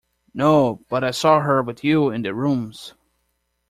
No; but I saw her with you in the rooms.